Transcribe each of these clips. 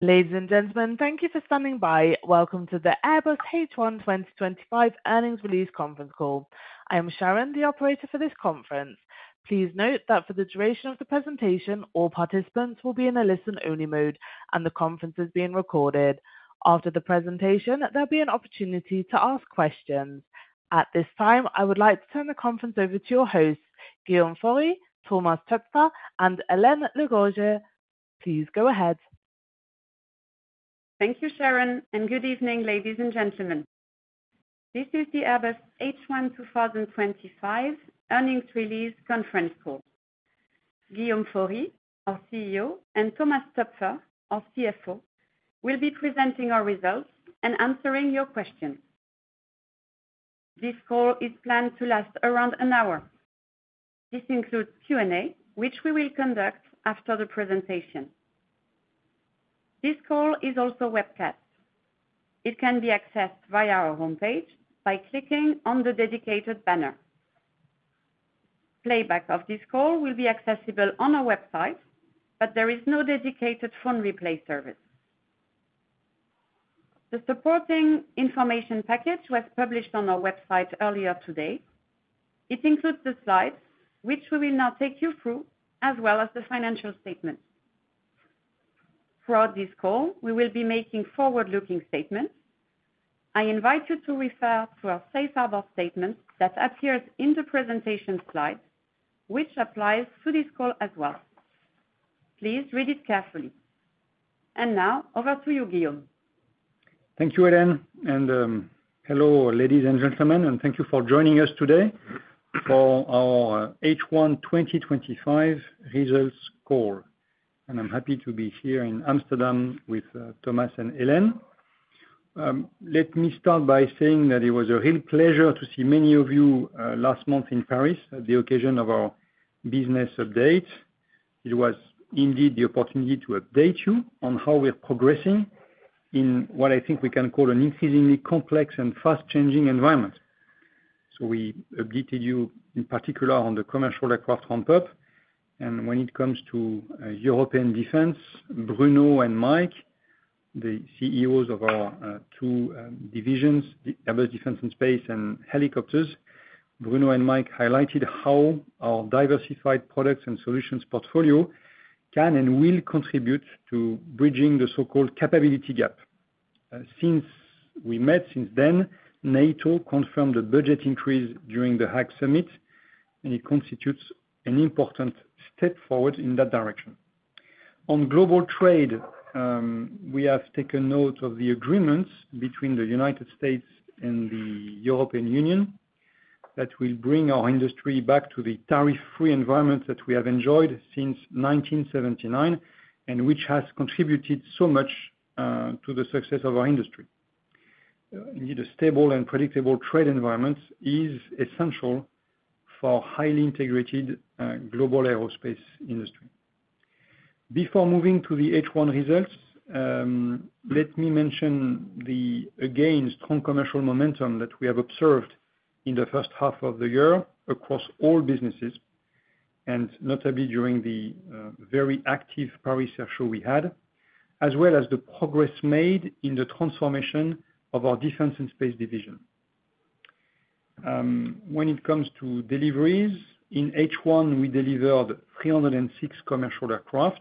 Ladies and gentlemen, thank you for standing by. Welcome to the Airbus H1 2025 Earnings Release Conference call. I am Sharon, the operator for this conference. Please note that for the duration of the presentation, all participants will be in a listen only mode and the conference is being recorded. After the presentation there will be an opportunity to ask questions. At this time I would like to turn the conference over to your hosts, Guillaume Faury, Thomas Toepfer and Hélène Le Gorgeu. Please go ahead. Thank you, Sharon and good evening ladies and gentlemen. This is the Airbus H1 2025 earnings release conference call. Guillaume Faury, our CEO, and Thomas Toepfer, our CFO, will be presenting our results and answering your questions. This call is planned to last around an hour. This includes Q&A which we will conduct after the presentation. This call is also webcast. It can be accessed via our homepage by clicking on the dedicated banner. Playback of this call will be accessible on our website, but there is no dedicated phone replay service. The supporting information package was published on our website earlier today. It includes the slides which we will now take you through, as well as the financial statements. Throughout this call we will be making forward looking statements. I invite you to refer to our safe harbor statement that appears in the presentation slide which applies to this call as well. Please read it carefully. Now over to you, Guillaume. Thank you, Hélène, and hello ladies and gentlemen, and thank you for joining us today for our H1 2025 results call. I'm happy to be here in Amsterdam with Thomas and Hélène. Let me start by saying that it was a real pleasure to see many of you last month in Paris at the occasion of our business update. It was indeed the opportunity to update you on how we're progressing in what I think we can call an increasingly complex and fast-changing environment. We updated you in particular on the commercial aircraft ramp-up, and when it comes to European defence, Bruno and Mike, the CEOs of our two divisions, Airbus Defense and Space and Helicopters. Bruno and Mike highlighted how our diversified products and solutions portfolio can and will contribute to bridging the so-called capability gap since we met. Since then, NATO confirmed a budget increase during the Hague summit, and it constitutes an important step forward in that direction. On global trade, we have taken note of the agreements between the United States and the European Union that will bring our industry back to the tariff-free environment that we have enjoyed since 1979 and which has contributed so much to the success of our industry. The stable and predictable trade environment is essential for a highly integrated global aerospace industry. Before moving to the H1 results, let me mention the again strong commercial momentum that we have observed in the first half of the year across all businesses and notably during the very active Paris Air Show we had, as well as the progress made in the transformation of our Defense and Space division. When it comes to deliveries, in H1 we delivered 306 commercial aircraft,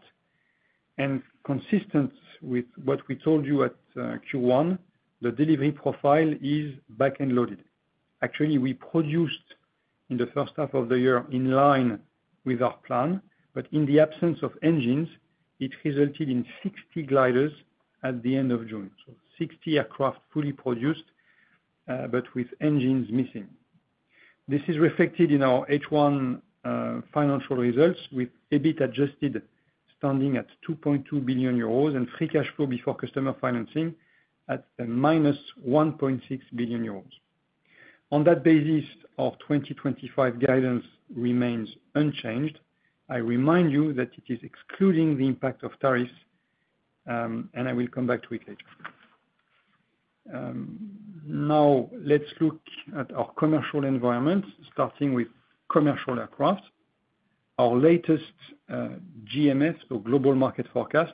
and consistent with what we told you at Q1, the delivery profile is back-end loaded. Actually, we produced in the first half of the year in line with our plan, but in the absence of engines it resulted in 60 gliders at the end of June. So, 60 aircraft fully produced but with engines missing. This is reflected in our H1 financial results with EBIT adjusted standing at 2.2 billion euros and free cash flow before customer financing at -1.6 billion euros. On that basis, our 2025 guidance remains unchanged. I remind you that it is excluding the impact of tariffs, and I will come back to it later. Now let's look at our commercial environment, starting with commercial aircraft. Our latest GMS or Global Market forecast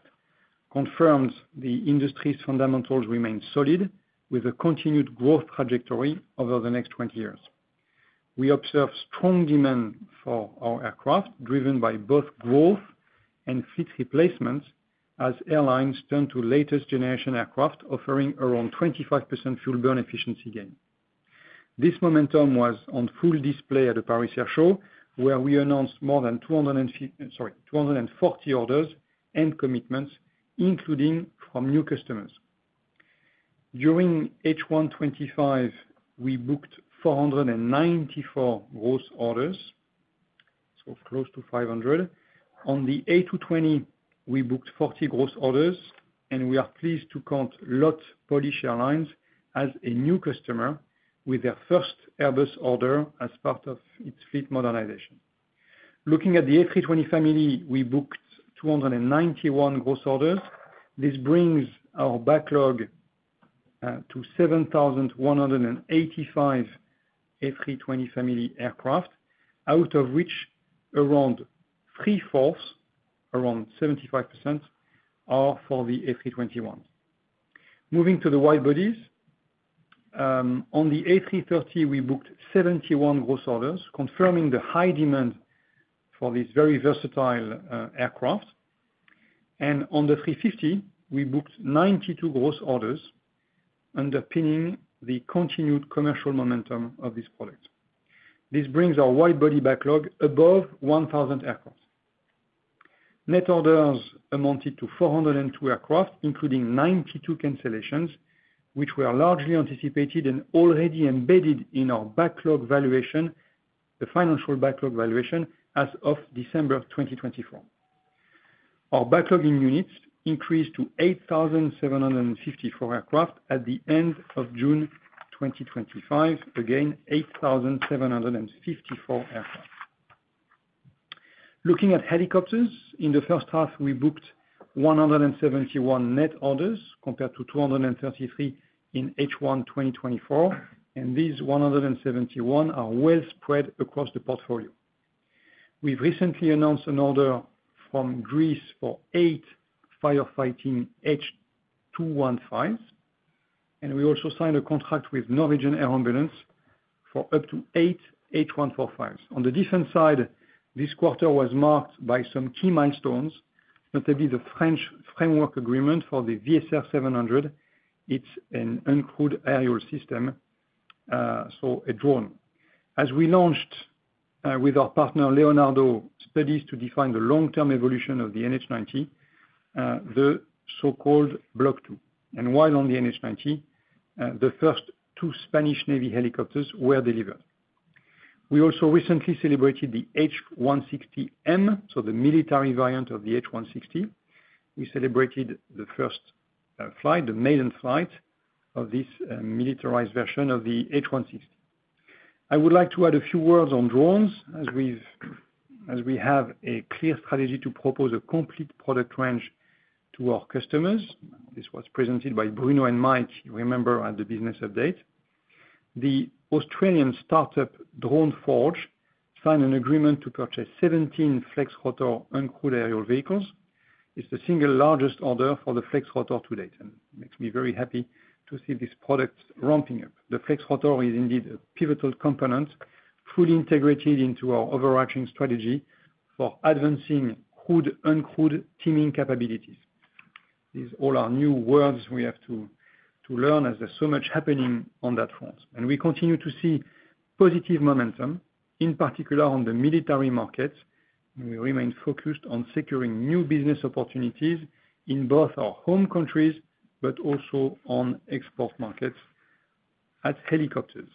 confirms the industry's fundamentals remain solid with a continued growth trajectory over the next 20 years. We observe strong demand for our aircraft driven by both growth and fleet replacements as airlines turn to latest generation aircraft offering around 25% fuel burn efficiency gain. This momentum was on full display at the Paris Air Show where we announced more than 2,240 orders and commitments including from new customers. During H1 2025 we booked 494 gross orders so close to 500. On the A220 we booked 40 gross orders and we are pleased to count LOT Polish Airlines as a new customer with their first Airbus order as part of its fleet modernization. Looking at the A320 family, we booked 291 gross orders. This brings our backlog to 7,185 A320 family aircraft out of which around three, four, around 75% are for the A321. Moving to the wide bodies. On the A330 we booked 71 gross orders confirming the high demand for these very versatile aircraft. On the A350 we booked 92 gross orders underpinning the continued commercial momentum of this product. This brings our wide body backlog above 1,000 aircraft. Net orders amounted to 402 aircraft, including 92 cancellations which were largely anticipated and already embedded in our backlog valuation, the financial backlog valuation as of December 2024. Our backlog in units increased to 8,754 aircraft at the end of June 2025, again 8,754 aircraft. Looking at Helicopters, in the first half we booked 171 net orders compared to 233 in H1 2024 and these 171 are well spread across the portfolio. We have recently announced an order from Greece for eight firefighting H215s and we also signed a contract with Norwegian Air Ambulance for up to eight H145s. On the defense side, this quarter was marked by some key milestones, notably the French Framework agreement for the VSR700. It is an uncrewed aerial system, so a drone. As we launched with our partner Leonardo studies to define the long term evolution of the NH90, the so-called Block 2. While on the NH90 the first two Spanish Navy helicopters were delivered. We also recently celebrated the H160M, so the military variant of the H160, we celebrated the first flight, the maiden flight of this militarized version of the H160. I would like to add a few words on drones as we have a clear strategy to propose a complete product range to our customers. This was presented by Bruno and Mike, you remember at the business update. The Australian startup Droneforge signed an agreement to purchase 17 Flexrotor uncrewed aerial vehicles. It's the single largest order for the Flexrotor to date and makes me very happy to see this product ramping up. The Flexrotor is indeed a pivotal component, fully integrated into our overarching strategy for advancing crewed uncrewed timing capabilities. These all are new words we have to learn as there's so much happening on that front and we continue to see positive momentum in particular on the military markets. We remain focused on securing new business opportunities in both our home countries, but also on export markets at Helicopters.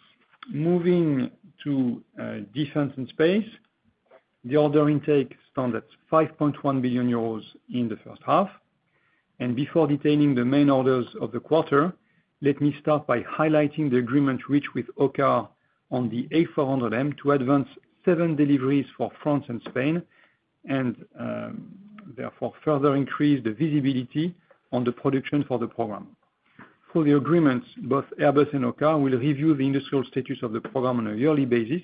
Moving to Defence and Space. The order intake, that's 5.1 billion euros in the first half. Before detailing the main orders of the quarter, let me start by highlighting the agreement reached with OKAR on the A400M to advance seven deliveries for France and Spain and therefore further increase the visibility on the production for the program. Through the agreements, both Airbus and OKAR will review the industrial status of the program on a yearly basis,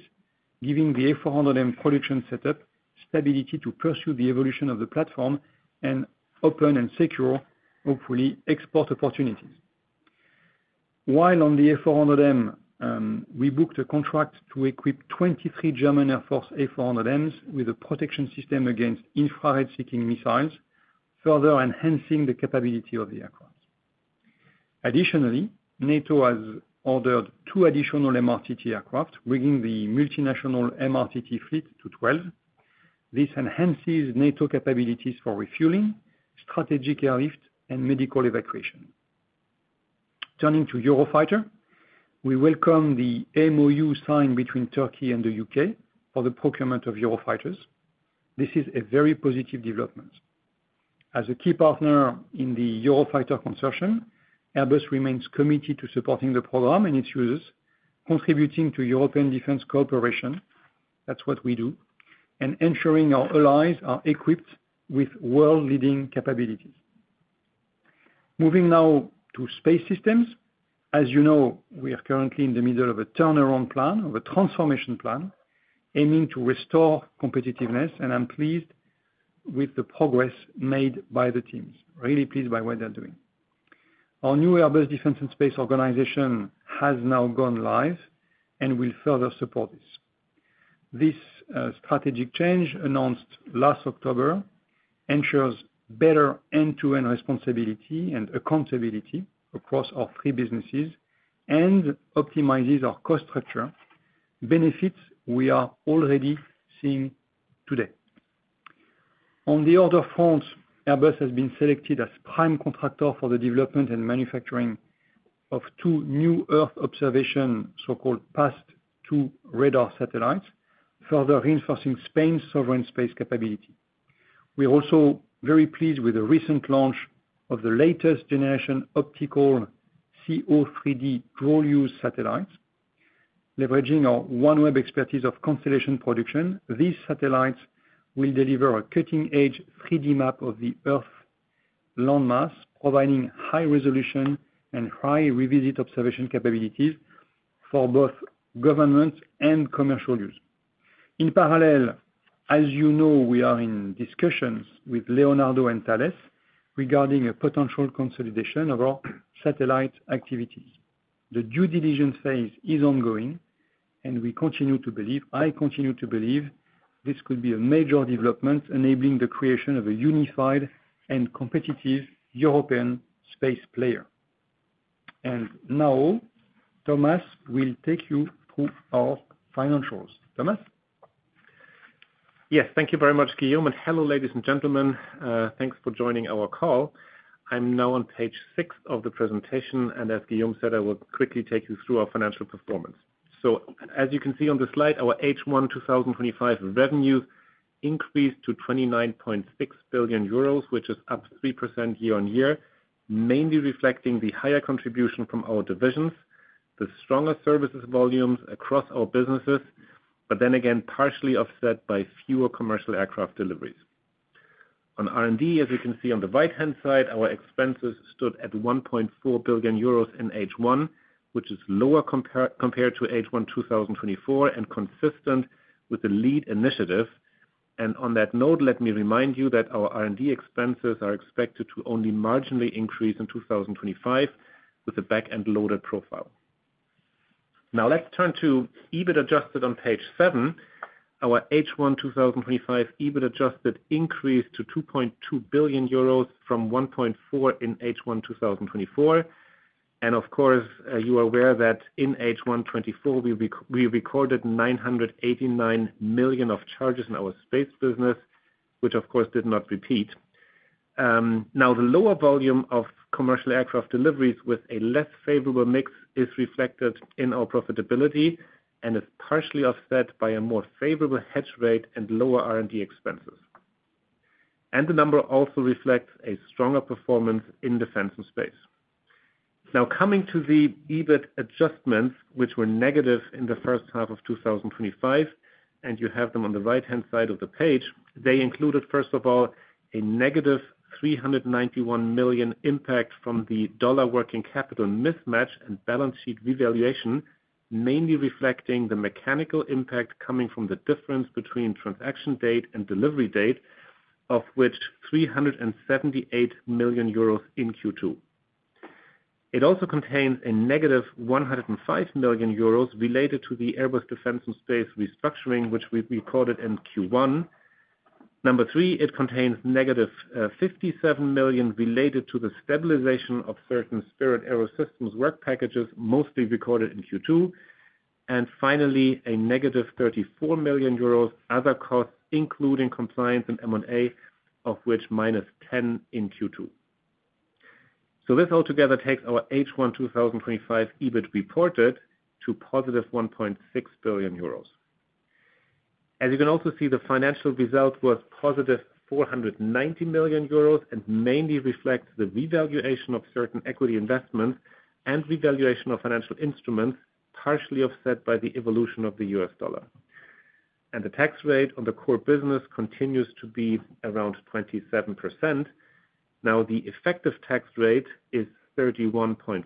giving the A400M production setup stability to pursue the evolution of the platform and open and secure hopefully export opportunities. While on the A400M we booked a contract to equip 23 German Air Force A400Ms with a protection system against infrared seeking missiles, further enhancing the capability of the aircraft. Additionally, NATO has ordered two additional MRTT aircraft, bringing the multinational MRTT fleet to 12. This enhances NATO capabilities for refueling, strategic airlift and medical evacuation. Turning to Eurofighter, we welcome the MOU signed between Turkey and the U.K. for the procurement of Eurofighters. This is a very positive development. As a key partner in the Eurofighter consortium, Airbus remains committed to supporting the program and its users, contributing to European defence cooperation. That's what we do. Ensuring our allies are equipped with world leading capabilities. Moving now to Space Systems. As you know, we are currently in the middle of a turnaround plan, of a transformation plan aiming to restore competitiveness and I'm pleased with the progress made by the teams, really pleased by what they're doing. Our new Airbus Defence and Space organization has now gone live and will further support. This strategic change announced last October ensures better end-to-end responsibility and accountability across our three businesses and optimizes our cost structure, benefits we are already seeing today. On the other front, Airbus has been selected as prime contractor for the development and manufacturing of two new Earth observation so-called PAZ-2 radar satellites, further reinforcing Spain's sovereign space capability. We are also very pleased with the recent launch of the latest generation optical CO3D dual-use satellites, leveraging our OneWeb expertise of constellation production. These satellites will deliver a cutting-edge 3D map of the Earth's landmass, providing high-resolution and high-revisit observation capabilities for both government and commercial use. In parallel, as you know, we are in discussions with Leonardo and Thales regarding a potential consolidation of our satellite activities. The due diligence phase is ongoing and we continue to believe, I continue to believe, this could be a major development enabling the creation of a unified and competitive European space player. Now Thomas will take you through our financials. Thomas? Yes, thank you very much Guillaume. And hello ladies and gentlemen, thanks for joining our call. I'm now on page six of the presentation and as Guillaume said, I will quickly take you through our financial performance. As you can see on the slide, our H1 2025 revenues increased to 29.6 billion euros, which is up 3% year-on-year, mainly reflecting the higher contribution from our divisions, the stronger services volumes across our businesses, but then again partially offset by fewer commercial aircraft deliveries. On R&D as you can see on the right hand side, our expenses stood at 1.4 billion euros in H1, which is lower compared to H1 2024 and consistent with the lead initiative. On that note, let me remind you that our R&D expenses are expected to only marginally increase in 2025 with a back end loaded profile. Now let's turn to EBITDA adjusted on page seven. Our H1 2025 EBIT adjusted increased to 2.2 billion euros from 1.4 billion in H1 2024. Of course you are aware that in H1 2024 we recorded 989 million of charges in our space business, which of course did not repeat. Now the lower volume of commercial aircraft deliveries with a less favorable mix is reflected in our profitability and is partially offset by a more favorable hedge rate and lower R&D expenses. The number also reflects a stronger performance in Defence and Space. Now coming to the EBIT adjustments which were negative in the first half of 2025 and you have them on the right hand side of the page. They included first of all a -391 million impact from the dollar working capital mismatch and balance sheet revaluation, mainly reflecting the mechanical impact coming from the difference between transaction date and delivery date, of which 378 million euros in Q2. It also contains a -105 million euros related to the Airbus Defence and Space restructuring which we recorded in Q1. Number three, it contains -57 million related to the stabilization of certain Spirit AeroSystems work packages mostly recorded in Q2 and finally a -34 million euros other costs including compliance and M&A of which -10 million in Q2. This all together takes our H1 2025 EBIT reported to positive 1.6 billion euros. As you can also see, the financial result was positive 490 million euros and mainly reflects the revaluation of certain equity investments and revaluation of financial instruments partially offset by the evolution of the U.S. dollar. The tax rate on the core business continues to be around 27%. Now the effective tax rate is 31.5%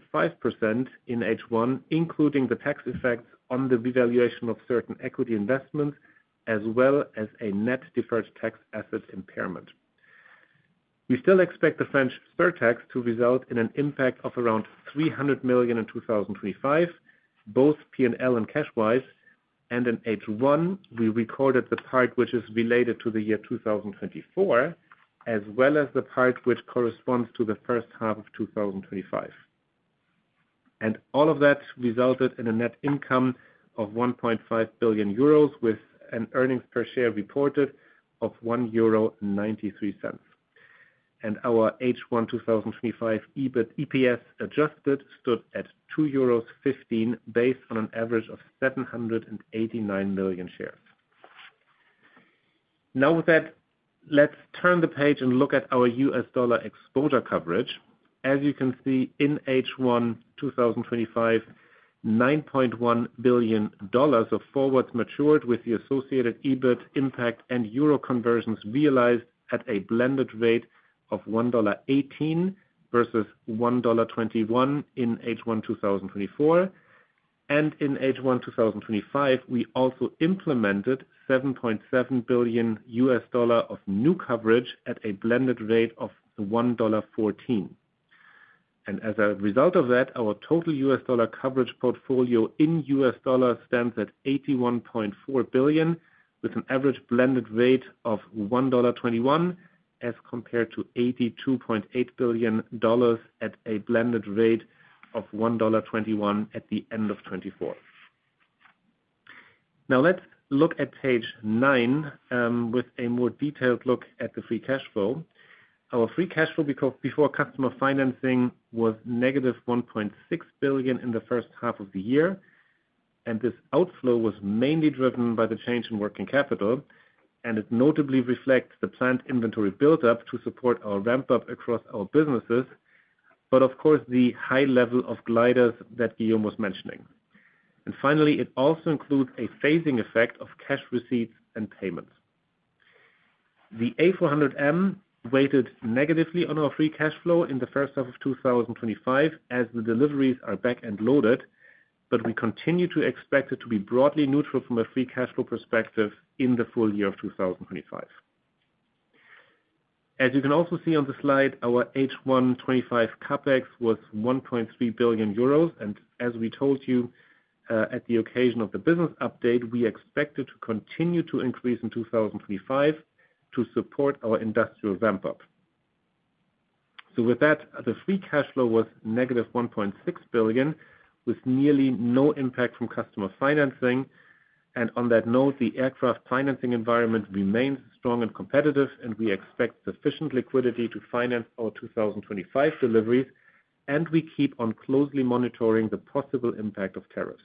in H1, including the tax effects on the revaluation of certain equity investments as well as a net deferred tax asset impairment. We still expect the French spare tax to result in an impact of around 300 million in 2025, both P&L and cash wise. In H1 we recorded the part which is related to the year 2024 as well as the part which corresponds to the first half of 2025, and all of that resulted in a net income of 1.5 billion euros with an earnings per share reported of 1.93 euro. Our H1 2025 EPS adjusted stood at 2.15 euros based on an average of 789 million shares. Now with that, let's turn the page and look at our U.S. dollar exposure coverage. As you can see, in H1 2025, $9.1 billion of forwards matured with the associated EBIT impact and euro conversions realized at a blended rate of $1.18 versus $1.21 in H1 2024. In H1 2025 we also implemented $7.7 billion of new coverage at a blended rate of $1.14. As a result of that, our total U.S. dollar coverage portfolio in U.S. dollar stands at $81.4 billion with an average blended rate of $1.21 as compared to $82.8 billion at a blended rate of $1.21 at the end of 2024. Now let's look at page 9 with a more detailed look at the free cash flow. Our free cash flow before customer financing was -1.6 billion in the first half of the year. This outflow was mainly driven by the change in working capital. It notably reflects the planned inventory buildup to support our ramp-up across our businesses, and of course the high level of gliders that Guillaume was mentioning. Finally, it also includes a phasing effect of cash receipts and payments. The A400M weighted negatively on our free cash flow in the first half of 2025 as the deliveries are back end loaded. We continue to expect it to be broadly neutral from a free cash flow perspective in the full year of 2025. As you can also see on the slide, our H1 2025 CapEx was 1.3 billion euros. As we told you at the occasion of the business update, we expect it to continue to increase in 2025 to support our industrial ramp-up. With that the free cash flow was -1.6 billion with nearly no impact from customer financing. On that note, the aircraft financing environment remains strong and competitive and we expect sufficient liquidity to finance our 2025 deliveries. We keep on closely monitoring the possible impact of tariffs.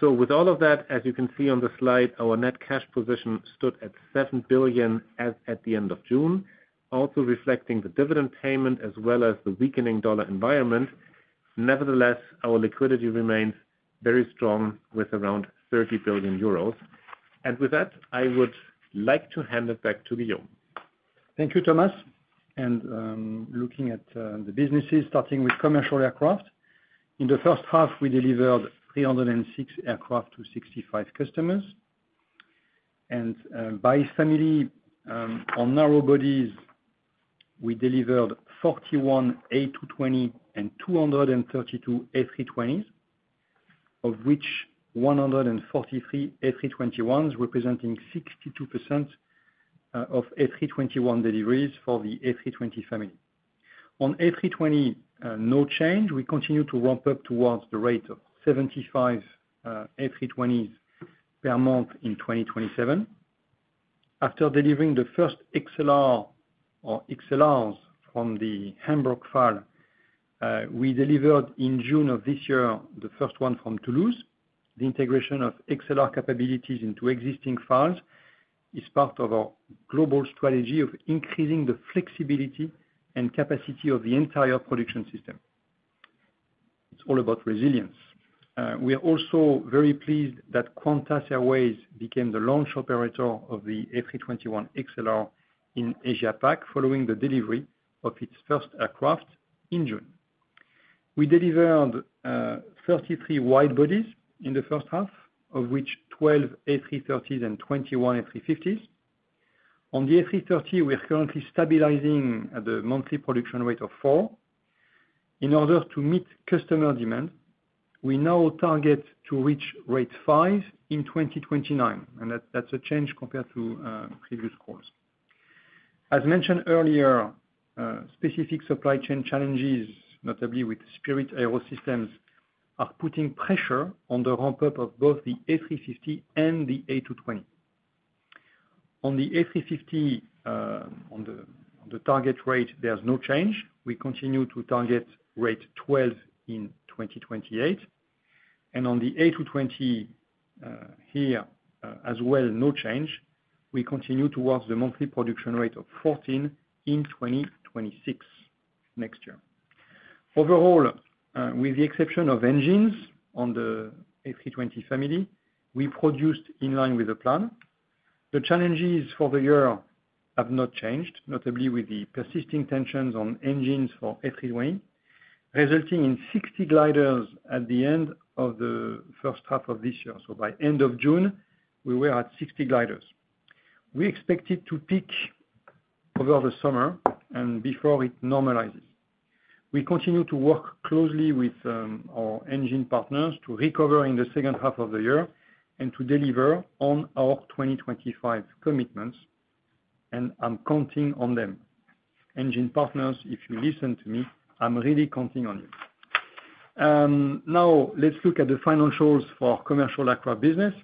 With all of that, as you can see on the slide, our net cash position stood at 7 billion as at the end of June, also reflecting the dividend payment as well as the weakening dollar environment. Nevertheless, our liquidity remains very strong with around 30 billion euros. With that I would like to hand it back to Guillaume. Thank you, Thomas. Looking at the businesses, starting with commercial aircraft, in the first half we delivered 306 aircraft to 65 customers and by family on narrowbodies we delivered 41 A220 and 232 A320s, of which 143 A321s representing 62% of A321 deliveries for the A320 family. On A320, no change. We continue to ramp-up towards the rate of 75 A320s per month in 2027. After delivering the first XLR or XLR from the Hamburg file, we delivered in June of this year the first one from Toulouse. The integration of XLR capabilities into existing files is part of our global strategy of increasing the flexibility and capacity of the entire production system. It is all about resilience. We are also very pleased that Qantas Airways became the launch operator of the A321XLR in Asia PAC following the delivery of its first aircraft in June. We delivered 33 widebodies in the first half, of which 12 A330s and 21 A350s. On the A330, we are currently stabilizing at a monthly production rate of four. In order to meet customer demand, we now target to reach rate five in 2029, and that is a change compared to previous calls. As mentioned earlier, specific supply chain challenges, notably with Spirit AeroSystems, are putting pressure on the ramp-up of both the A350 and the A220. On the A350 on the target rate, there is no change. We continue to target rate 12 in 2028, and on the A220 here as well, no change. We continue towards the monthly production rate of 14 in 2026 next year. Overall, with the exception of engines on the A320 family, we produced in line with the plan. The challenges for the year have not changed, notably with the persisting tensions on engines for A320 resulting in 60 gliders at the end of the first half of this year. By end of June we were at 60 gliders. We expected to peak over the summer, and before it normalizes, we continue to work closely with our engine partners to recover in the second half of the year and to deliver on our 2025 commitments. I am counting on them. Engine partners, if you listen to me, I am really counting on you. Now let's look at the financials for commercial aircraft business.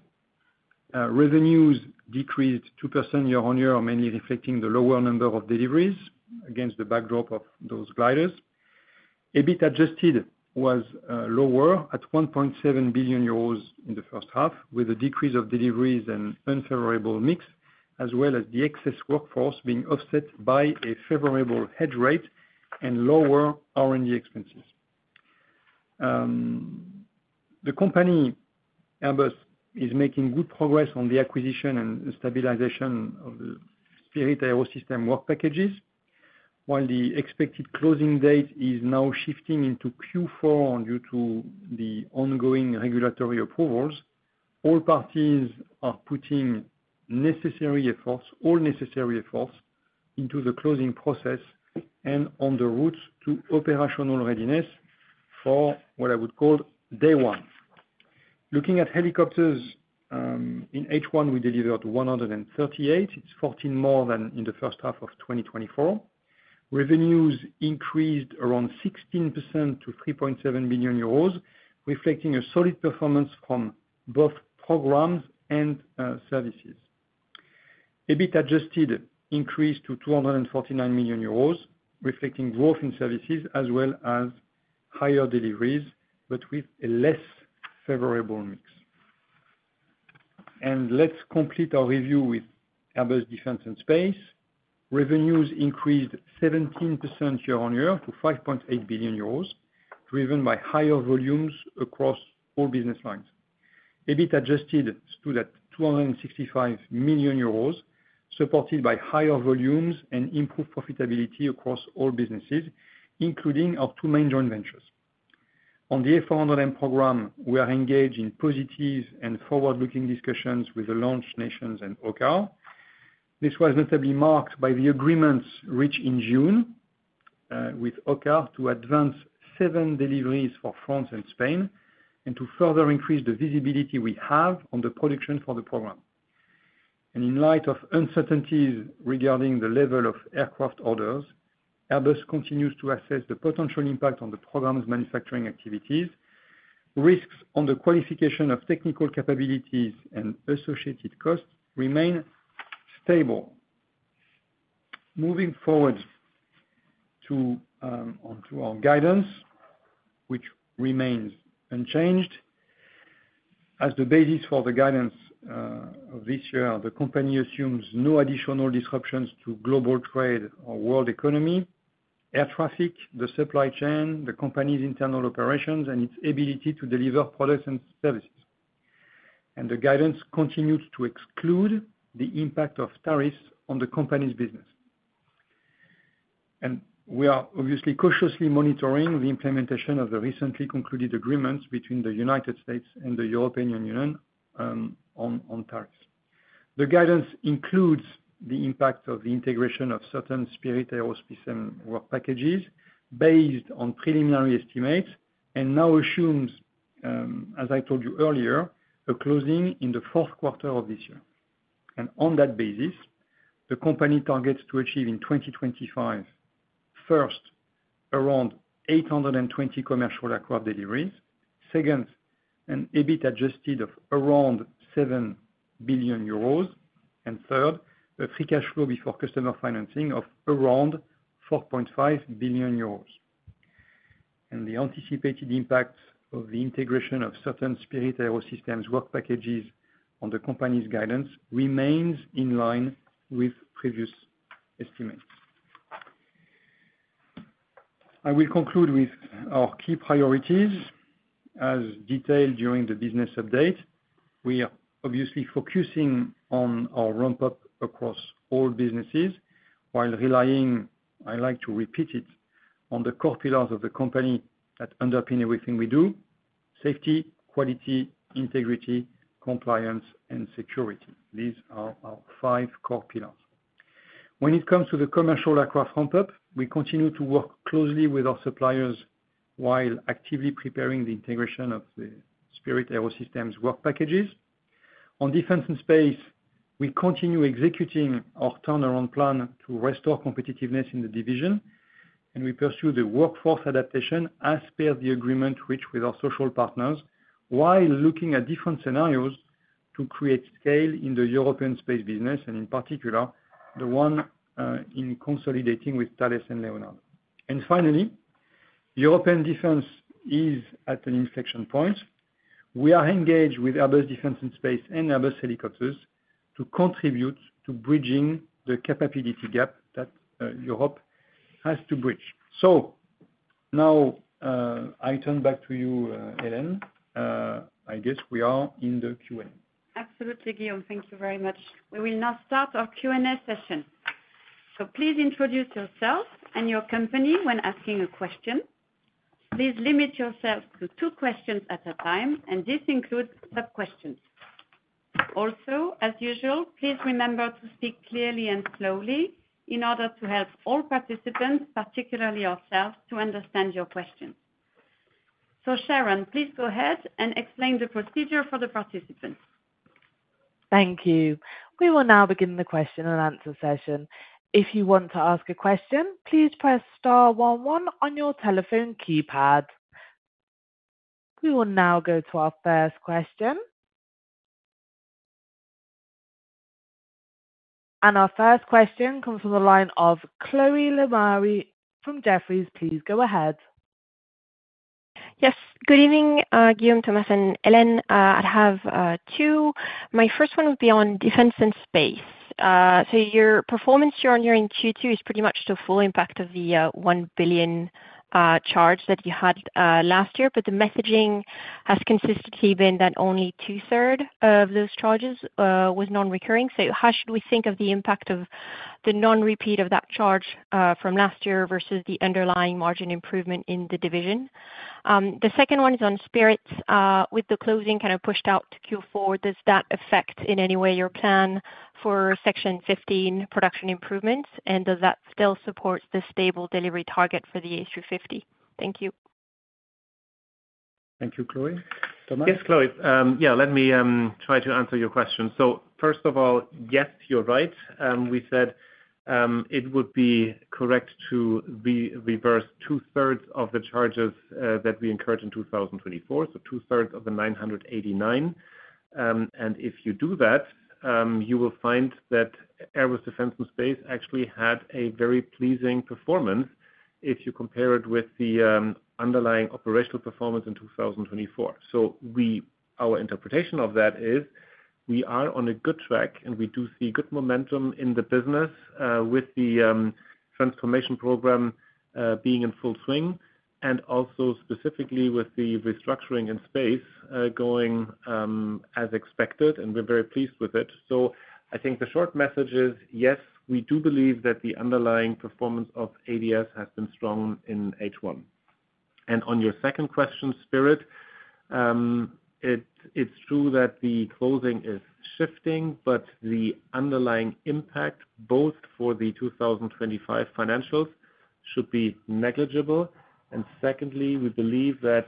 Revenues decreased 2% year-on-year, mainly reflecting the lower number of deliveries. Against the backdrop of those gliders, EBIT adjusted was lower at 1.7 billion euros in the first half, with a decrease of deliveries and unfavorable mix as well as the excess workforce being offset by a favorable hedge rate and lower R&D expenses. The company Airbus is making good progress on the acquisition and stabilization of the Spirit AeroSystems work packages. While the expected closing date is now shifting into Q4 due to the ongoing regulatory approvals, all parties are putting all necessary efforts into the closing process and on the route to operational readiness for what I would call day one. Looking at Helicopters, in H1 we delivered 138, it's 14 more than in the first half of 2024. Revenues increased around 16% to 3.7 billion euros, reflecting a solid performance from both programs and services. EBIT adjusted increased to 249 million euros, reflecting growth in services as well as higher deliveries, but with a less favorable mix. Let's complete our review with Airbus Defence and Space. Revenues increased 17% year-on-year to 5.8 billion euros, driven by higher volumes across all business lines. EBITDA adjusted stood at 265 million euros, supported by higher volumes and improved profitability across all businesses, including our two main joint ventures. On the A400M program, we are engaged in positive and forward-looking discussions with the launch nations and OKAR. This was notably marked by the agreements reached in June with OKAR to advance seven deliveries for France and Spain and to further increase the visibility we have on the production for the program. In light of uncertainties regarding the level of aircraft orders, Airbus continues to assess the potential impact on the program's manufacturing activities. Risks on the qualification of technical capabilities and associated costs remain stable. Moving forward to our guidance, which remains unchanged as the basis for the guidance of this year, the company assumes no additional disruptions to global trade or world economy, air traffic, the supply chain, the company's internal operations and its ability to deliver products and services. The guidance continues to exclude the impact of tariffs on the company's business and we are obviously cautiously monitoring the implementation of the recently concluded agreements between the United States and the European Union on tariffs. The guidance includes the impact of the integration of certain Spirit AeroSystems work packages based on preliminary estimates and now assumes, as I told you earlier, a closing in the fourth quarter of this year and on that basis the company targets to achieve in 2025 first, around 820 commercial aircraft deliveries, second, an EBIT adjusted of around 7 billion euros and third, a free cash flow before customer financing of around 4.5 billion euros. The anticipated impact of the integration of certain Spirit AeroSystems work packages on the company's guidance remains in line with previous estimates. I will conclude with our key priorities as detailed during the business update. We are obviously focusing on our ramp-up across all businesses while relying, I like to repeat it, on the core pillars of the company that underpin everything we do, safety, quality, integrity, compliance and security. These are our five core pillars. When it comes to the commercial aircraft ramp-up, we continue to work closely with our suppliers while actively preparing the integration of the Spirit AeroSystems work packages. On Defence and Space, we continue executing our turnaround plan to restore competitiveness in the division and we pursue the workforce adaptation as per the agreement reached with our social partners while looking at different scenarios to create scale in the European space business and in particular the one in consolidating with Thales and Leonardo. Finally, European Defence is at an inflection point. We are engaged with Airbus Defence and Space and Airbus Helicopters to contribute to bridging the capability gap that Europe has to bridge. I turn back to you, Hélène. I guess we are in the Q&A. Absolutely, Guillaume, thank you very much. We will now start our Q&A session. Please introduce yourself and your company. When asking a question, please limit yourself to two questions at a time. This includes sub questions. Also, as usual, please remember to speak clearly and slowly in order to help all participants, particularly ourselves, to understand your questions. Sharon, please go ahead and explain the procedure for the participants. Thank you. We will now begin the question and answer session. If you want to ask a question, please press star one one on your telephone keypad. We will now go to our first question and our first question comes from the line of Chloé Lemarié from Jefferies. Please go ahead. Yes, good evening, Guillaume, Thomas and Hélène. I have two. My first one would be on Defence and Space. Your performance year on year in Q2 is pretty much the full impact of the 1 billion charge that you had last year. The messaging has consistently been that only two-thirds of those charges was nonrecurring. How should we think of the impact of the non repeat of that charge from last year versus the underlying margin improvement in the division? The second one is on Spirit with the closing kind of pushed out to Q4. Does that affect in any way your plan for Section 15 production improvements and does that still support the stable delivery target for the A350? Thank you. Thank you. Chloé. Thomas Yes, Chloé. Yes, let me try to answer your question. First of all, yes, you're right. We said it would be correct to reverse two-thirds of the charges that we incurred in 2024, two-thirds of the 989. If you do that, you will find that Airbus Defense and Space actually had a very pleasing performance if you compare it with the underlying operational performance in 2024. Our interpretation of that is we are on a good track and we do see good momentum in the business with the transformation program being in full swing and also specifically with the restructuring in space going as expected. We are very pleased with it. I think the short message is, yes, we do believe that the underlying performance of Airbus Defense and Space has been strong in H1. On your second question, Spirit. It'S. True that the closing is shifting, but the underlying impact both for the 2025 financials should be negligible. Secondly, we believe that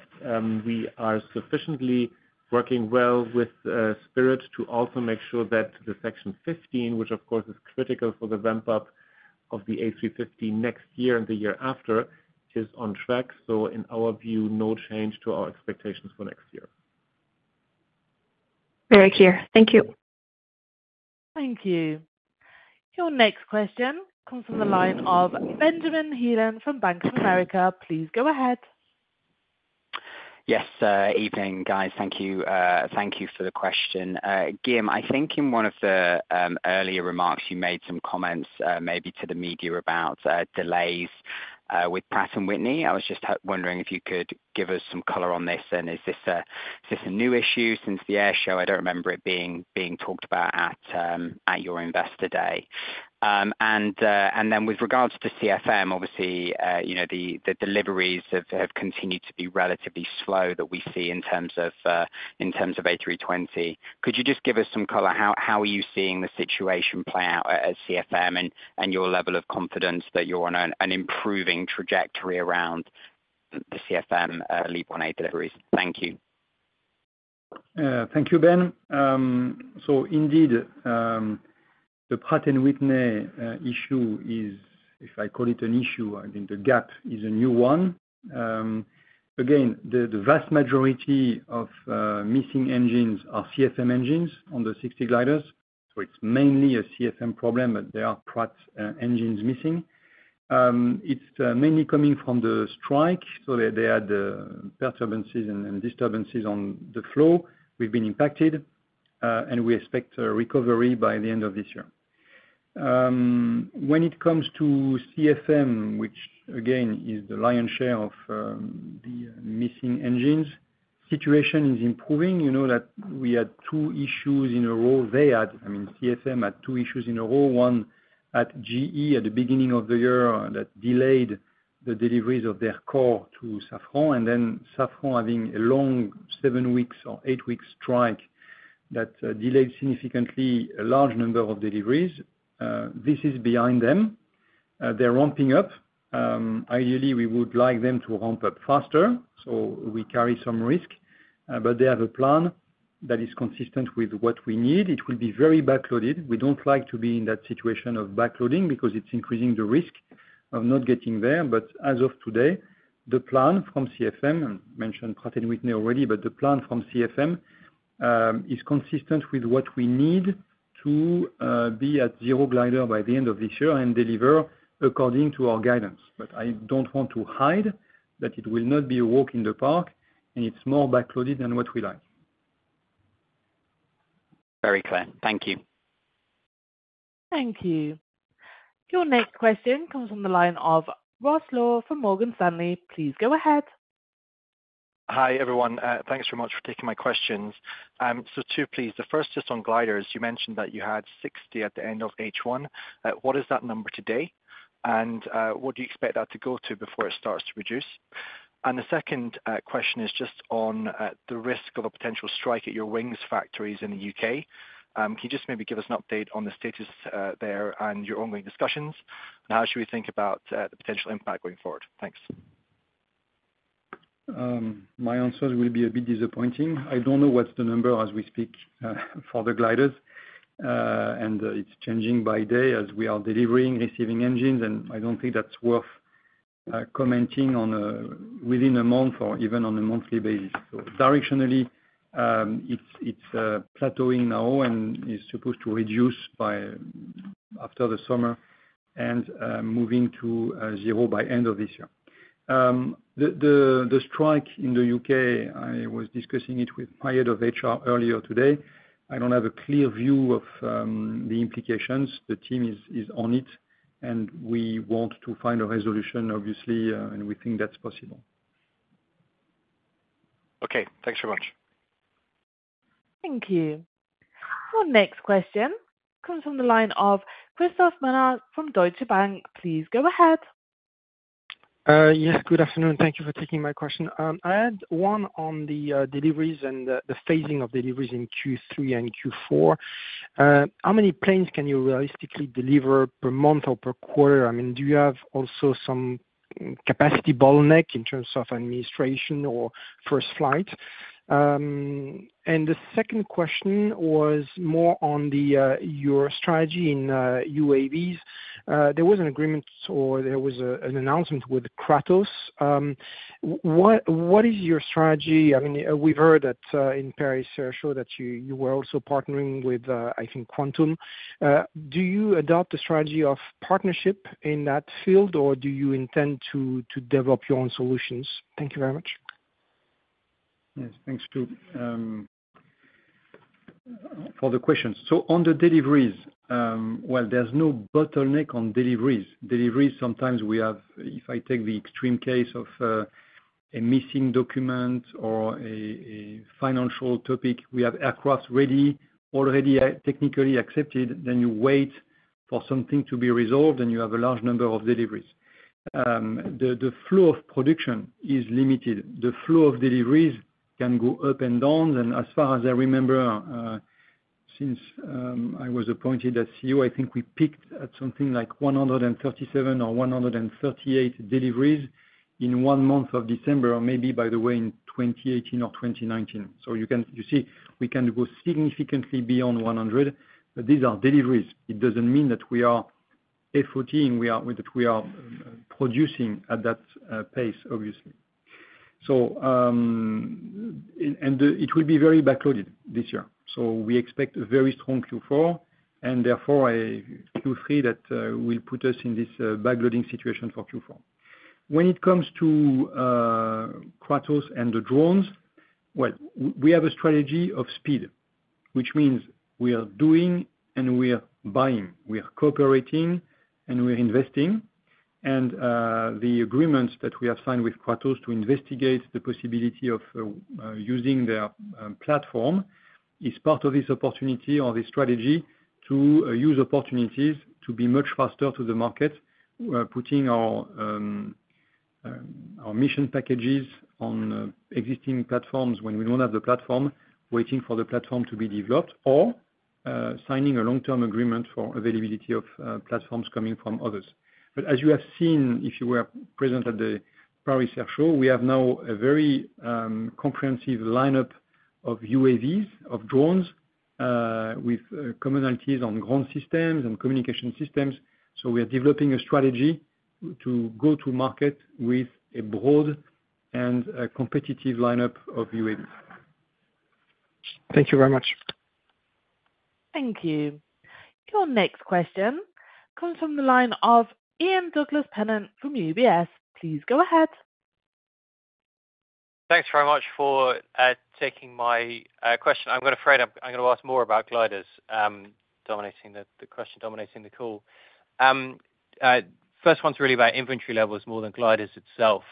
we are sufficiently working well with Spirit to also make sure that the Section 15, which of course is critical for the ramp-up of the A350 next year and the year after, is on track. In our view, no change to our expectations for next year. Very clear. Thank you. Thank you. Your next question comes from the line of Benjamin Heelan from Bank of America. Please go ahead. Yes. Evening, guys. Thank you for the question. Guillaume, I think in one of the earlier remarks you made some comments maybe to the media about delays with Pratt & Whitney. I was just wondering if you could give us some color on this. Is this a new issue since the air show? I do not remember it being talked about at your investor day. With regards to CFM, obviously the deliveries have continued to be relatively slow that we see in terms of A320. Could you just give us some color? How are you seeing the situation play out at CFM and your level of confidence that you are on an improving trajectory around the CFM LEAP 1A deliveries? Thank you. Thank you, Ben. So indeed, the Pratt & Whitney issue is, if I call it an issue, I mean, the gap is a new one. Again, the vast majority of missing engines are CFM engines on the 60 gliders. It is mainly a CFM problem. There are Pratt engines missing. It is mainly coming from the strike. They had perturbances and disturbances on the flow. We have been impacted and we expect recovery by the end of this year. When it comes to CFM, which again is the lion's share of the missing engines, the situation is improving. You know that we had two issues in a row. They had, I mean, CFM had two issues in a row. One at GE at the beginning of the year that delayed the deliveries of their core to Safran. Then Safran having a long seven weeks or eight weeks strike that delayed significantly a large number of deliveries. This is behind them. They are ramping up. Ideally we would like them to ramp up faster so we carry some risk. They have a plan that is consistent with what we need. It will be very backloaded. We do not like to be in that situation of backloading because it is increasing the risk of not getting there. As of today, mentioned Pratt & Whitney already, but the plan from CFM is consistent with what we need to be at zero glider by the end of this year and deliver according to our guidance. I do not want to hide that. It will not be a walk in the park and it is more backloaded than what we like. Very clear. Thank you. Thank you. Your next question comes from the line of Ross Law from Morgan Stanley. Please go ahead. Hi everyone. Thanks very much for taking my questions. Two please. The first just on gliders. You mentioned that you had 60 at the end of H1. What is that number today and what do you expect that to go to before it starts to reduce? The second question is just on the risk of a potential strike at your wings factories in the U.K. Can you just maybe give us an update on the status there and your ongoing discussions and how should we think about the potential impact going forward? Thanks. My answers will be a bit disappointing. I do not know what is the number as we speak for the gliders and it is changing by day as we are delivering, receiving engines, and I do not think that is worth commenting on within a month or even on a monthly basis. Directionally, it is plateauing now and is supposed to reduce after the summer and moving to zero by end of this year. The strike in the U.K., I was discussing it with my Head of HR earlier today. I do not have a clear view of the implications. The team is on it and we want to find a resolution, obviously, and we think that is possible. Okay, thanks very much. Thank you. Our next question comes from the line of Christophe Menard from Deutsche Bank. Please go ahead. Yes, good afternoon. Thank you for taking my question. I had one on the deliveries and the phasing of deliveries in Q3 and Q4. How many planes can you realistically deliver per month or per quarter? I mean, do you have also some capacity bottleneck in terms of administration or first flight? The second question was more on your strategy in UAVs. There was an agreement or there was an announcement with Kratos. What is your strategy? I mean we've heard that in Paris Air Show, that you were also partnering with, I think, quantum. Do you adopt a strategy of partnership in that field or do you intend to develop your own solutions? Thank you very much. Thanks for the questions. On the deliveries, there is no bottleneck on deliveries. Sometimes we have, if I take the extreme case of a missing document or a financial topic, we have aircraft ready already, technically accepted, then you wait for something to be resolved and you have a large number of deliveries. The flow of production is limited. The flow of deliveries can go up and down. As far as I remember, since I was appointed as CEO, I think we peaked at something like 137 or 138 deliveries in one month of December, maybe by the way, in 2018 or 2019. You see we can go significantly beyond 100. These are deliveries. It does not mean that we are efforting, that we are producing at that pace, obviously. It will be very backloaded this year. We expect a very strong Q4 and therefore a Q3 that will put us in this backloading situation for Q4. When it comes to Kratos and the drones, we have a strategy of speed, which means we are doing and we are buying, we are cooperating and we are investing. The agreements that we have signed with Kratos to investigate the possibility of using their platform is part of this opportunity or this strategy to use opportunities to be much faster to the market, putting our mission packages on existing platforms when we do not have the platform, waiting for the platform to be developed, or signing a long-term agreement for availability of platforms coming from others. As you have seen if you were present at the Paris Air Show, we have now a very comprehensive lineup of UAVs, of drones, with commonalities on ground systems and communication systems. We are developing a strategy to go to market with a broad and competitive lineup of UAVs. Thank you very much. Thank you. Your next question comes from the line of Ian Douglas-Pennant from UBS. Please go ahead. Thanks very much for taking my question. I'm afraid I'm going to ask more about gliders. Dominating the question, dominating the call. First one's really about inventory levels more than gliders itself.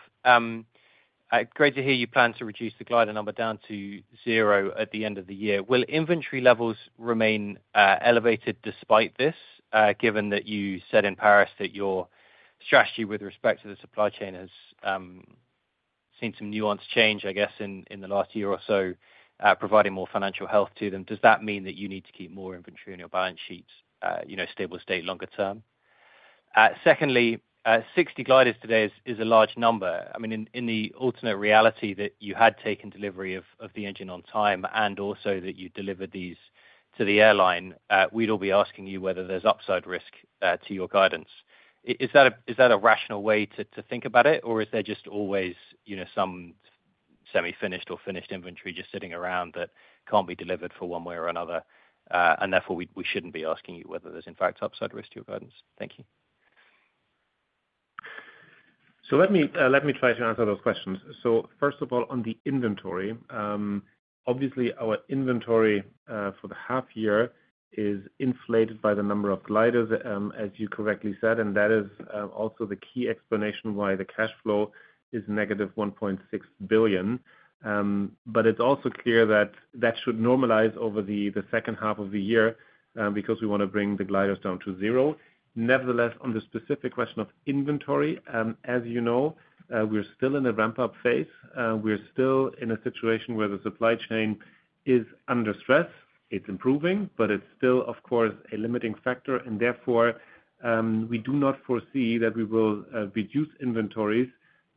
Great to hear you plan to reduce the glider number down to zero at. The end of the year. Will inventory levels remain elevated despite this? Given that you said in Paris that your strategy with respect to the supply chain has seen some nuance change, I guess in the last year or so, providing more financial health to them. Does that mean that you need to keep more inventory on your balance sheets, you know, stable state longer term? Secondly, 60 gliders today is a large number. I mean, in the alternate reality that. You had taken delivery of the engine. On time and also that you delivered. These to the airline, we'd all be. Asking you whether there's upside risk to your guidance. Is that a rational way to think about it? Is there just always some semi finished or finished inventory just sitting around. That can't be delivered for one way or another? Therefore we shouldn't be asking you whether there's in fact upside risk to your guidance. Thank you. Let me try to answer those questions. First of all, on the inventory, obviously our inventory for the half year is inflated by the number of gliders, as you correctly said. That is also the key explanation why the cash flow is -1.6 billion. But it is also clear that should normalize over the second half of the year because we want to bring the gliders down to zero. Nevertheless, on the specific question of inventory, as you know, we are still in a ramp-up phase. We are still in a situation where the supply chain is under stress, it is improving, but it is still of course a limiting factor. Therefore, we do not foresee that we will reduce inventories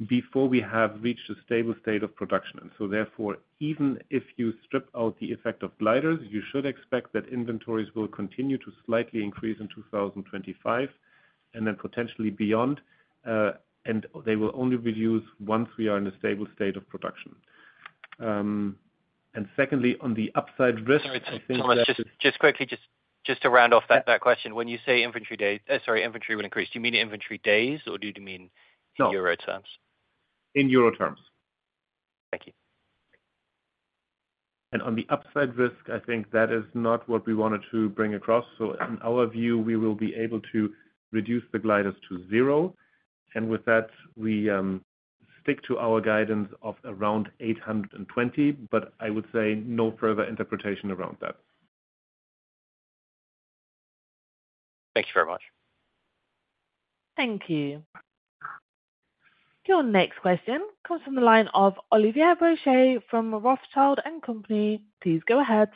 before we have reached a stable state of production. Therefore, even if you strip out the effect of gliders, you should expect that inventories will continue to slightly increase in 2025 and then potentially beyond, and they will only reduce once we are in a stable state of production. Secondly, on the upside risk, Thomas. Just quickly, just to round off that question, when you say inventory day, sorry. Inventory would increase, do you mean inventory. Days or do you mean euro terms? In euro terms. Thank you. On the upside risk, I think that is not what we wanted to bring across. In our view we will be able to reduce the gliders to zero. With that we stick to our guidance of around 820. I would say no further interpretation around that. Thank you very much. Thank you. Your next question comes from the line of Olivier Brochet from Rothschild & Co. Please go ahead.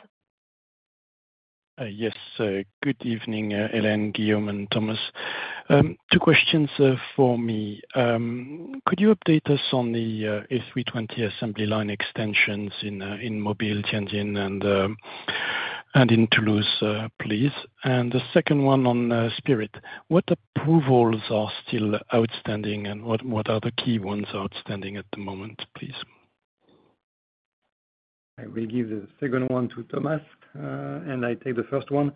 Yes, good evening, Hélène, Guillaume and Thomas. Two questions for me. Could you update us on the A320 assembly line extensions in Mobile, Tianjin and in Toulouse, please? The second one on Spirit. What approvals are still outstanding and what are the key ones outstanding at the moment, please? I will give the second one to Thomas and I take the first one.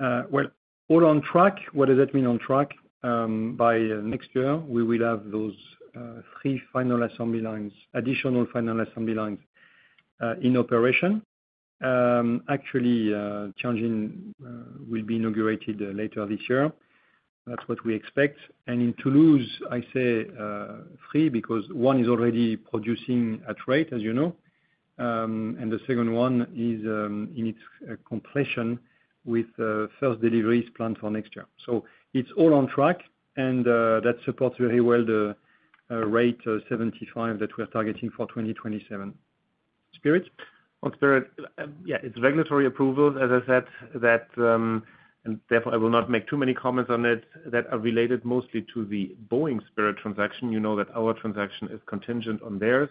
All on track. What does that mean, on track? By next year we will have those three final assembly lines, additional final assembly lines in operation. Actually, Tianjin will be inaugurated later this year. That is what we expect. In Toulouse, I say three because one is already producing at rate, as you know, and the second one is in its completion with first deliveries planned for next year. It is all on track. That supports very well the rate 75 that we are targeting for 2027. Spirit. Spirit. It is regulatory approvals, as I said that. Therefore I will not make too many comments on it that are related mostly to the Boeing Spirit transaction. You know that our transaction is contingent on theirs.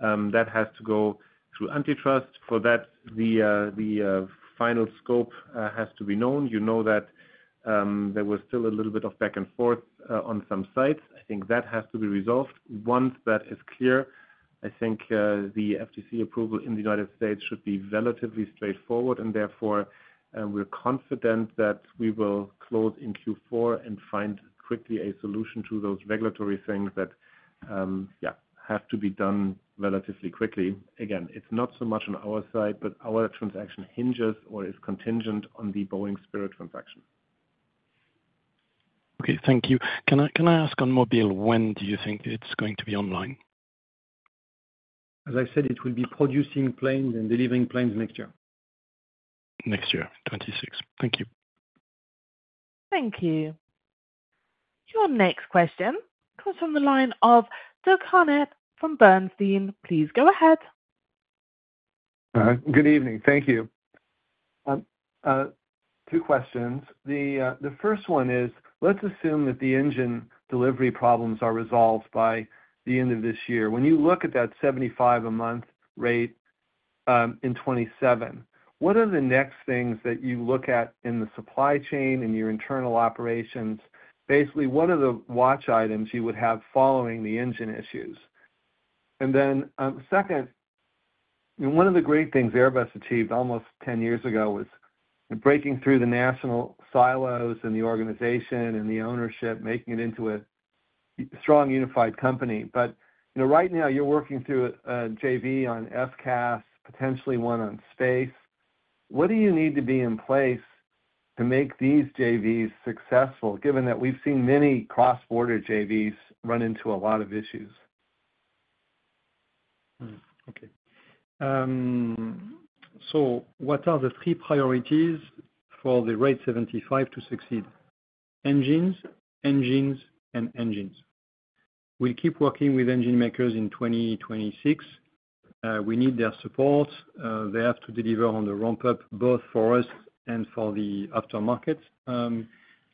That has to go through antitrust. For that the final scope has to be known. You know that there was still a little bit of back and forth on some sites. I think that has to be resolved. Once that is clear, I think the FTC approval in the United States should be relatively straightforward. Therefore we are confident that we will close in Q4 and find quickly a solution to those regulatory things that, yes, have to be done relatively quickly. Again, it is not so much on our side, but our transaction hinges or is contingent on the Boeing Spirit transaction. Okay, thank you. Can I ask on Mobile, when do you think it's going to be online? As I said, it will be producing planes and delivering planes next year. Next year, 2026. Thank you. Thank you. Your next question comes from the line of Doug Harned from Bernstein. Please go ahead. Good evening. Thank you. Two questions. The first one is let's assume that the engine delivery problems are resolved by the end of this year. When you look at that 75 a month rate in 2027, what are the next things that you look at in the supply chain in your internal operations? Basically, what are the watch items you would have following the engine issues? The second, one of the great things Airbus achieved almost 10 years ago was breaking through the national silos in the organization and the ownership, making it into a strong, unified company, but right now you're working through JV on FCAS, potentially one on space. What do you need to be in. Place to make these JVs successful? Given that we've seen many cross border JVs run into a lot of issues. What are the three priorities for the RAID 75 to succeed? Engines, engines and engines. We'll keep working with engine makers in 2026. We need their support. They have to deliver on the ramp-up both for us and for the aftermarket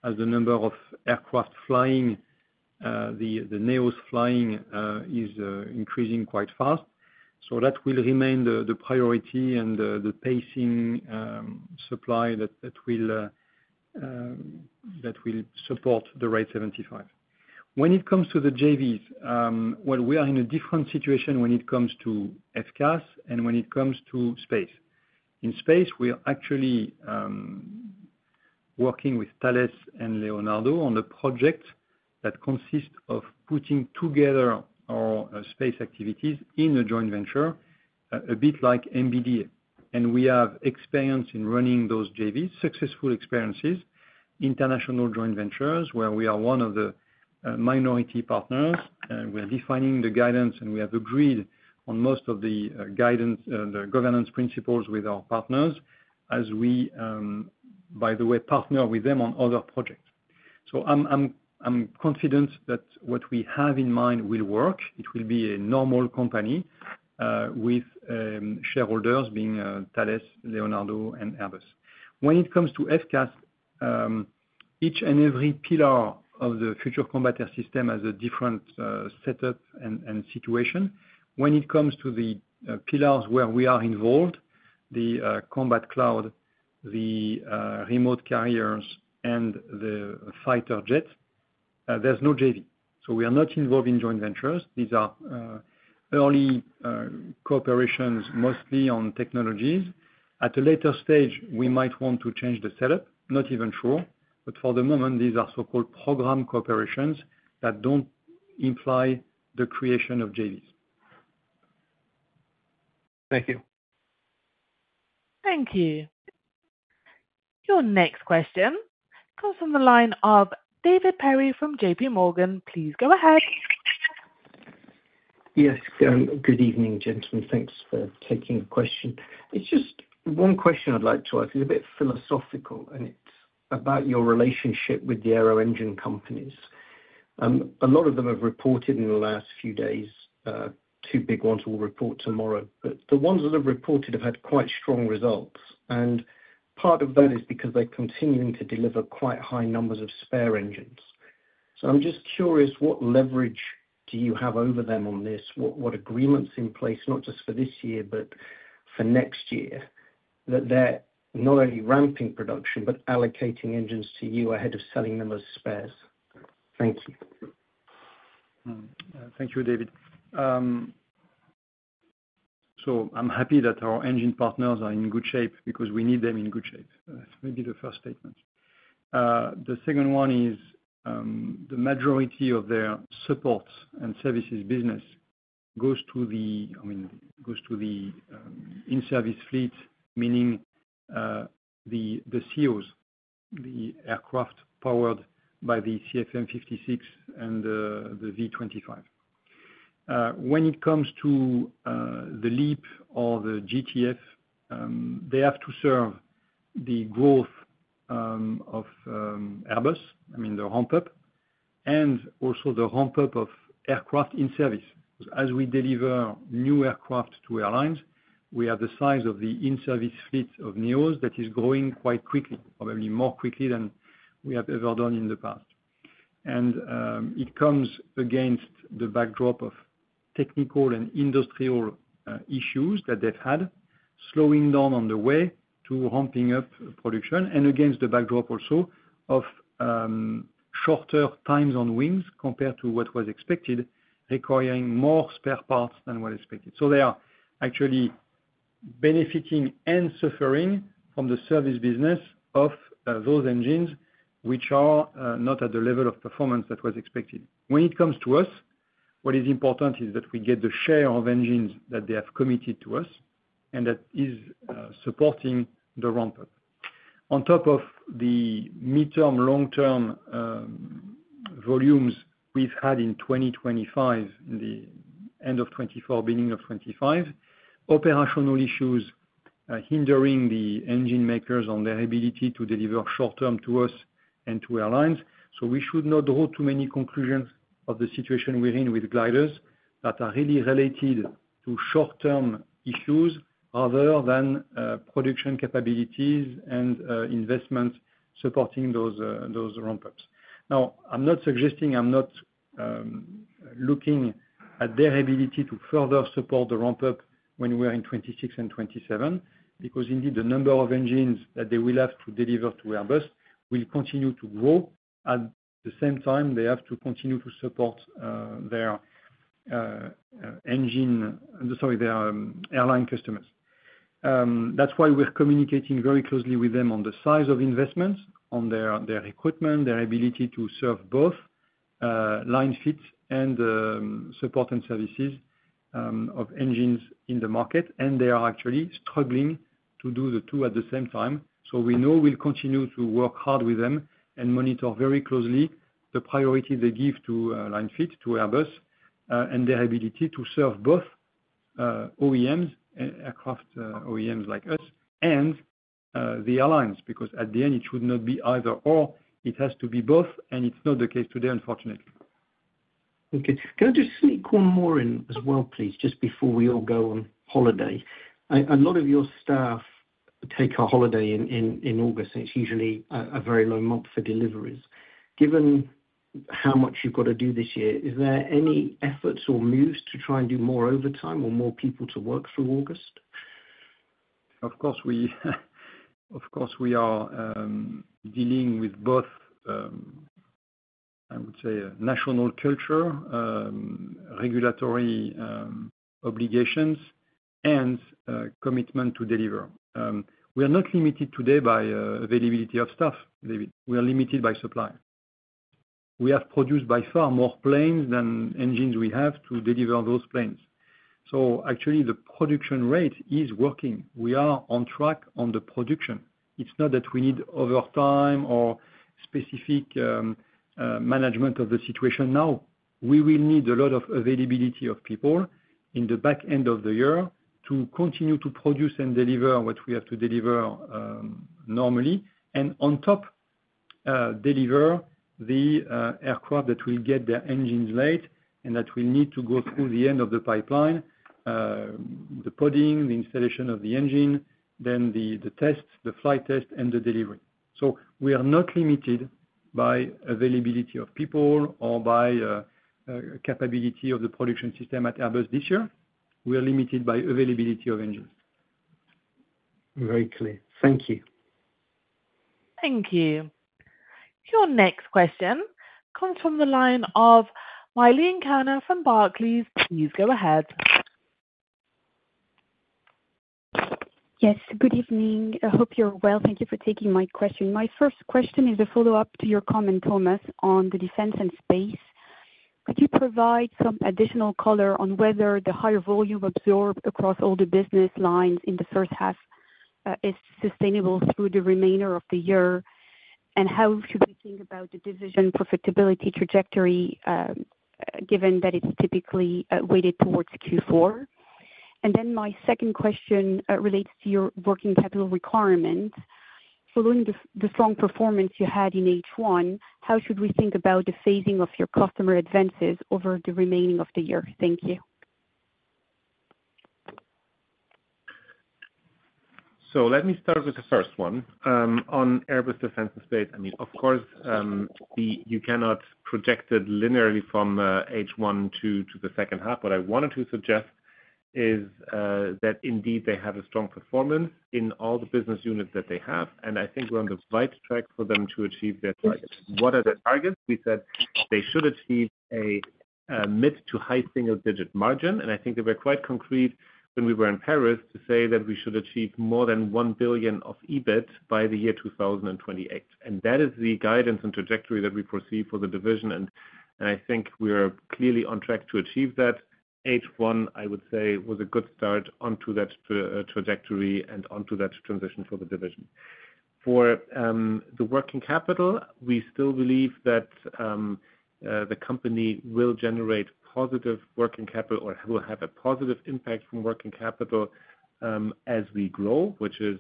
as the number of aircraft flying, the NEOs flying, is increasing quite fast. That will remain the priority and the pacing supply that will support the RAID 75. When it comes to the JVs, we are in a different situation when it comes to FCAS and when it comes to space. In space, we are actually working with Thales and Leonardo on a project that consists of putting together our space activities in a joint venture, a bit like MBDA. We have experience in running those JVs, successful experiences, international joint ventures where we are one of the minority partners. We are defining the guidance and we have agreed on most of the guidance, the governance principles with our partners as we, by the way, partner with them on other projects. I'm confident that what we have in mind will work. It will be a normal company with shareholders being Thales, Leonardo and Airbus. When it comes to FCAS, each and every pillar of the future combat air system has a different setup and situation. When it comes to the pillars where we are involved, the combat cloud, the remote carriers and the fighter jets, there's no JV. We are not involved in joint ventures. These are early coperations mostly on technologies. At a later stage we might want to change the setup. Not even sure. For the moment these are so-called program cooperations that don't imply the creation of JVs. Thank you. Thank you. Your next question comes from the line of David Perry from JPMorgan. Please go ahead. Yes, good evening gentlemen. Thanks for taking a question. It's just one question I'd like to ask. It is a bit philosophical and it is about your relationship with the aero engine companies. A lot of them have reported in the last few days. Two big ones will report tomorrow. But the ones that have reported have had quite strong results and part of that is because they're continuing to deliver quite high numbers of spare engines. I'm just curious, what leverage do you have over them on this? What agreements are in place not just for this year but for next year that they're not only ramping production but allocating engines to you ahead of selling them as spares. Thank you. Thank you, David. I'm happy that our engine partners are in good shape because we need them in good shape. Maybe the first statement. The second one is the majority of their support and services business goes to the in-service fleet, meaning the COS, the aircraft powered by the CFM56 and the V25. When it comes to the LEAP or the GTF, they have to serve the growth of Airbus. I mean the ramp-up and also the ramp-up of aircraft in service. As we deliver new aircraft to airlines, we have the size of the in-service fleet of NEOs that is growing quite quickly, probably more quickly than we have ever done in the past. It comes against the backdrop of technical and industrial issues that they've had slowing down on the way to ramping up production and against the backdrop also of shorter times on wings compared to what was expected, requiring more spare parts than was expected. They are actually benefiting and suffering from the service business of those engines which are not at the level of performance that was expected. When it comes to us, what is important is that we get the share of engines that they have committed to us and that is supporting the ramp-up. On top of the midterm long-term volumes we've had in 2025, in the end of 2024, beginning of 2025, operational issues hindering the engine makers on their ability to deliver short term to us and to airlines. We should not draw too many conclusions of the situation we're in with gliders that are really related to short-term issues other than production capabilities and investments supporting those ramp-ups. I'm not suggesting, I'm not looking at their ability to further support the ramp-up when we are in 2026 and 2027, because indeed, the number of engines that they will have to deliver to Airbus will continue to grow and at the same time they have to continue to support their airline customers. That's why we're communicating very closely with them on the size of investments on their equipment, their ability to serve both line fit and support and services of engines in the market. They are actually struggling to do the two at the same time. We know we'll continue to work hard with them and monitor very closely the priority they give to linefeed to Airbus and their ability to serve both aircraft OEMs like us and the airlines because at the end it should not be either or, it has to be both. It is not the case today, unfortunately. Okay, can I just sneak one more in as well, please? Just before we all go on holiday, a lot of your staff take a holiday in August and it is usually a very low month for deliveries. Given how much you have got to do this year, is there any efforts or moves to try and do more overtime or more people to work through August? Of course, we are dealing with both, I would say, national culture, regulatory obligations and commitment to deliver. We are not limited today by availability of staff, David, we are limited by supply. We have produced by far more planes than engines. We have to deliver those planes. Actually the production rate is working. We are on track on the production. It is not that we need overtime or specific management of the situation now. We will need a lot of availability of people in the back end of the year to continue to produce and deliver what we have to deliver normally and on top, deliver the aircraft that will get their engines late and that we need to go through the end of the pipeline, the podding, the installation of the engine, then the test, the flight test and the delivery. We are not limited by availability of people or by capability of the production system at Airbus this year. We are limited by availability of engines. Very clear. Thank you. Thank you. Your next question comes from the line of Milène Kerner from Barclays. Please go ahead. Yes, good evening, hope you're well. Thank you for taking my question. My first question is a follow-up to your comment, Thomas, on the Defence and Space. Could you provide some additional color on whether the higher volume absorbed across all the business lines in the first half is sustainable through the remainder of the year? How should we think about the division profitability trajectory given that it's typically weighted towards Q4? My second question relates to your working capital requirement. Following the strong performance you had in H1, how should we think about the phasing of your customer advances over the remaining of the year? Thank you. Let me start with the first one on Airbus Defense and Space. I mean, of course you cannot project it linearly from H1 to the second half. What I wanted to suggest is that indeed they have a strong performance in all the business units that they have. I think we're on the right track for them to achieve their target. What are the targets? We said they should achieve a mid to high single digit margin and I think they were quite concrete when we were in Paris to say that we should achieve more than 1 billion of EBIT by the year 2028. That is the guidance and trajectory that we foresee for the division. I think we are clearly on track to achieve that. H1 I would say was a good start onto that trajectory and onto that transition for the division. For the working capital. We still believe that the company will generate positive working capital or will have a positive impact from working capital as we grow, which is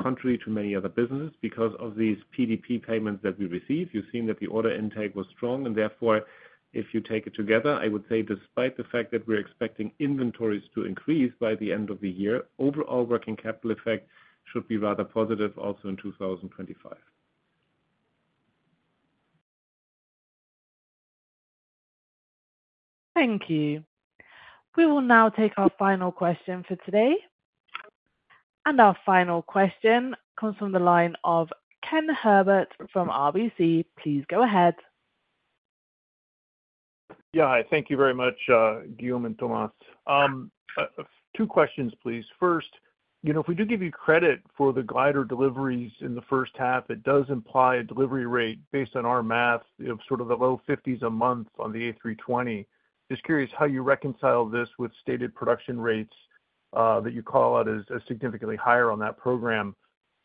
contrary to many other business because of these PDP payments that we receive. You've seen that the order intake was strong and therefore, if you take it together, I would say despite the fact that we're expecting inventories to increase by the end of the year, overall working capital effect should be rather positive also in 2025. Thank you. We will now take our final question for today. Our final question comes from the line of Ken Herbert from RBC. Please go ahead. Yeah, thank you very much. Guillaume and Thomas, two questions, please. First, you know, if we do give you credit for the glider deliveries in the first half, it does imply a delivery rate based on our math of sort of the low 50s a month on the A320. Just curious how you reconcile this with stated production rates that you call out. As significantly higher on that program.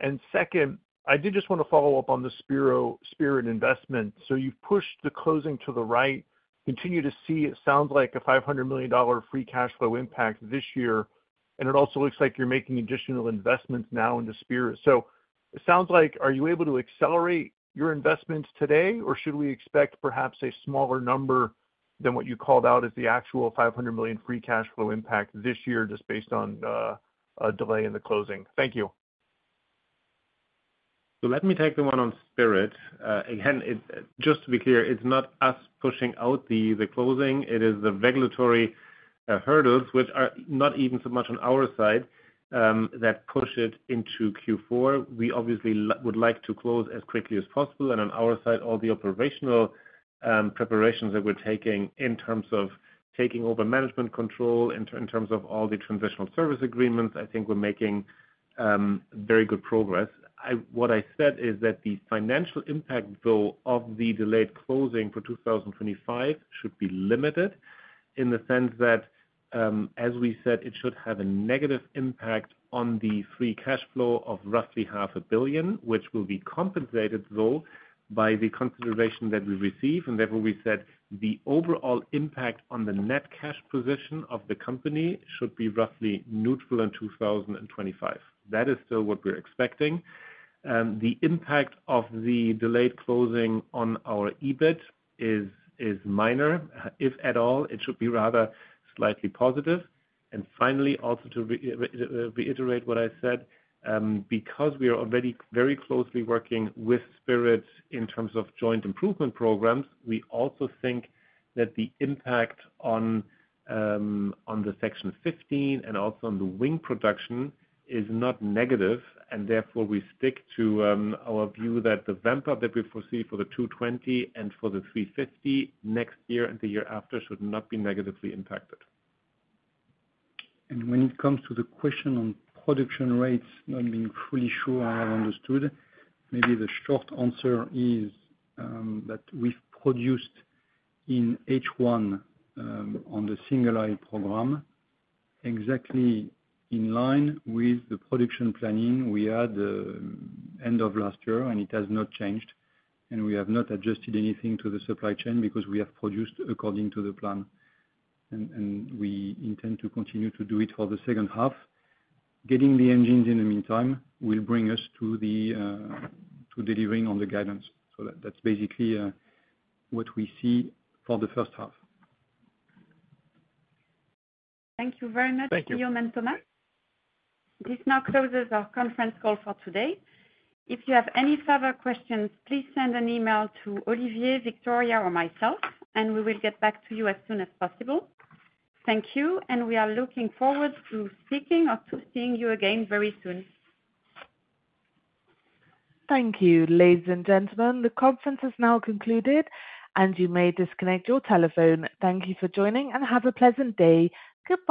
I did just want to follow up on the Spirit AeroSystems investment. You have pushed the closing to the right. You continue to see, it sounds like, a $500 million free cash flow impact this year. It also looks like you are making additional investments now in Spirit. It sounds like, are you able to accelerate your investments today or should we expect perhaps a smaller number than what you called out as the actual $500 million free cash flow impact this year just based on a delay in the closing? Thank you. Let me take the one on Spirit again, just to be clear, it's not us pushing out the closing. It is the regulatory hurdles, which are not even so much on our side, that push it into Q4. We obviously would like to close as quickly as possible. On our side, all the operational preparations that we're taking in terms of taking over management control, in terms of all the transitional service agreements, I think we're making very good progress. What I said is that the financial impact, though, of the delayed closing for 2025 should be limited in the sense that, as we said, it should have a negative impact on the free cash flow of roughly $500,000,000, which will be compensated, though, by the consideration that we receive. Therefore, we said the overall impact on the net cash position of the company should be roughly neutral in 2025. That is still what we're expecting. The impact of the delayed closing on our EBIT is minor, if at all. It should be rather slightly positive. Finally, also to reiterate what I said, because we are already very closely working with Spirit in terms of joint improvement programs, we also think that the impact on the Section 50 and also on the wing production is not negative. Therefore, we stick to our view that the ramp-up that we foresee for the A220 and for the A350 next year and the year after should not be negatively impacted. When it comes to the question on production rates, not being fully sure I have understood, maybe the short answer is that we've produced in H1 on the single I program exactly in line with the production planning we had end of last year. It has not changed and we have not adjusted anything to the supply chain because we have produced according to the plan and we intend to continue to do it for the second half. Getting the engines in the meantime will bring us to delivering on the guidance. That's basically what we see for the first half. Thank you very much, Guillaume and Thomas. This now closes our conference call for today. If you have any further questions, please send an email to Olivier, Victoria or myself and we will get back to you as soon as possible. Thank you and we are looking forward to speaking or to seeing you again very soon. Thank you. Ladies and gentlemen, the conference has now concluded and you may disconnect your telephone. Thank you for joining and have a pleasant day. Goodbye.